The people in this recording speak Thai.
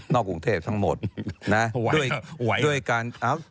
นอกกรุงเทพทั้งหมดด้วยการ